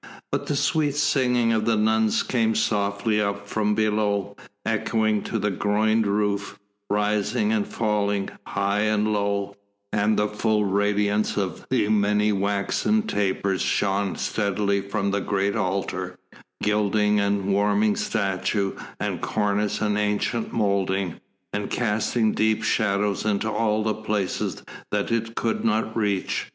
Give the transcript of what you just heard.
But the sweet singing of the nuns came softly up from below, echoing to the groined roof, rising and falling, high and low; and the full radiance of the many waxen tapers shone steadily from the great altar, gilding and warming statue and cornice and ancient moulding, and casting deep shadows into all the places that it could not reach.